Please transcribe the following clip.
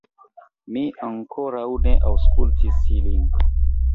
Mi ankoraŭ ne aŭskultis ilin